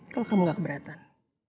kalau kamu gak keberatan